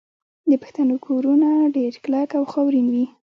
د پښتنو کورونه ډیر کلک او خاورین وي.